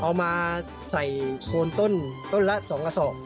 เอามาใส่โคนต้นต้นละ๒กระสอบ